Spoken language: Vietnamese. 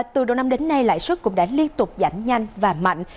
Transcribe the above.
từ đầu năm đến nay lãi suất cũng đã liên tục giảm nhanh và mạnh